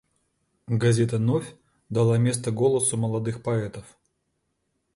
Газета «Новь» дала место голосу молодых поэтов.